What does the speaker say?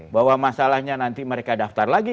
bahwa masalahnya nanti mereka daftar lagi